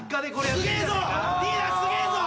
すげえぞ！